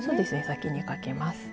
先にかけます。